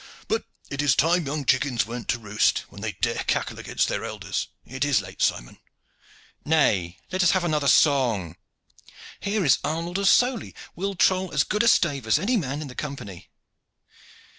"But it is time young chickens went to roost when they dare cackle against their elders. It is late, Simon." "Nay, let us have another song." "Here is Arnold of Sowley will troll as good a stave as any man in the Company."